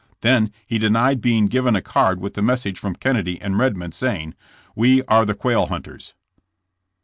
Then he denied being given a card with the message from Kennedy and Kedmond, saying: "We are the quail hunters."